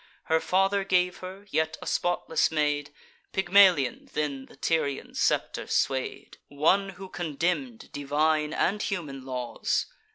Her father gave her, yet a spotless maid; Pygmalion then the Tyrian scepter sway'd: One who condemn'd divine and human laws.